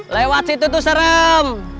lewat situ tuh serem